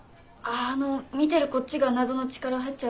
あの見てるこっちが謎の力入っちゃうあれですね。